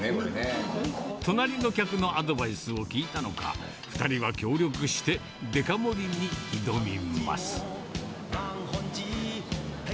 隣の客のアドバイスを聞いたのか、２人は協力して、デカ盛りに挑みます。